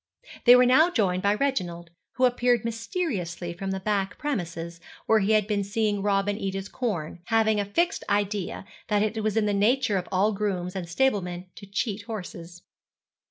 They were now joined by Reginald, who appeared mysteriously from the back premises, where he had been seeing Robin eat his corn, having a fixed idea that it was in the nature of all grooms and stablemen to cheat horses.